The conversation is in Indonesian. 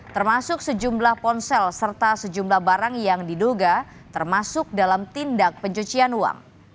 termasuk sejumlah ponsel serta sejumlah barang yang diduga termasuk dalam tindak pencucian uang